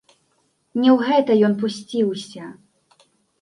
Не ў гэта ён пусціўся.